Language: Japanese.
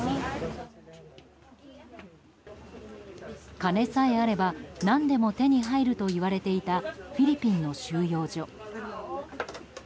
金さえあれば何でも手に入るといわれていたフィリピンの収容所。